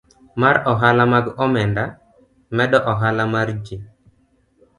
mar ohala mag omenda, medo ohala mar ji,